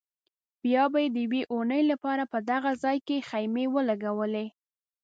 بیا به یې د یوې اونۍ لپاره په دغه ځای کې خیمې ولګولې.